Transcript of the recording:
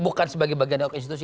bukan sebagai bagian dari institusi